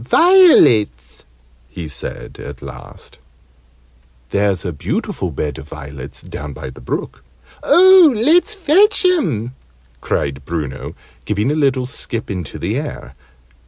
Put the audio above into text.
"Violets," he said, at last. "There's a beautiful bed of violets down by the brook " "Oh, let's fetch 'em!" cried Bruno, giving a little skip into the air.